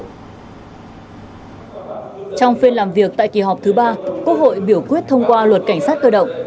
trong phiên làm việc tại kỳ họp thứ ba quốc hội biểu quyết thông qua luật cảnh sát cơ động